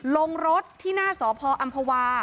ลงรถที่หน้าสพอำภาวา